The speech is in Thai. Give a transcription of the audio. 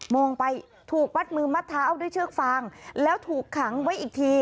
องไปถูกมัดมือมัดเท้าด้วยเชือกฟางแล้วถูกขังไว้อีกที